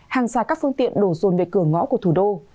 hàng giả các phương tiện đổ rồn về cửa ngõ của thủ đô